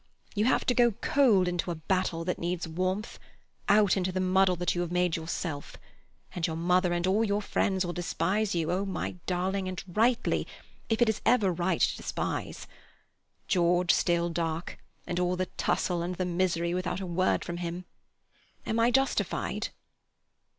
You have to go cold into a battle that needs warmth, out into the muddle that you have made yourself; and your mother and all your friends will despise you, oh, my darling, and rightly, if it is ever right to despise. George still dark, all the tussle and the misery without a word from him. Am I justified?"